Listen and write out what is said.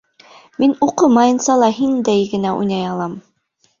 Мин уҡымайынса ла һиндәй генә уйнай алам!